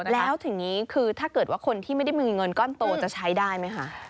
แล้วถึงนี้คือถ้าเกิดว่าคนที่ไม่ได้มีเงินก้อนโตจะใช้ได้ไหมคะ